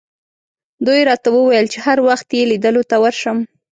دوی راته وویل چې هر وخت یې لیدلو ته ورشم.